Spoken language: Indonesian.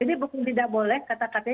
jadi bukan tidak boleh kata katanya kita tunda